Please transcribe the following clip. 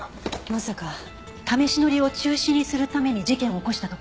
まさか試し乗りを中止にするために事件を起こしたとか。